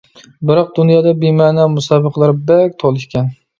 بىراق، دۇنيادا بىمەنە مۇسابىقىلەر بەك تولا ئىكەن!